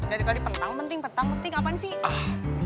tadi tadi pentang penting pentang penting apaan sih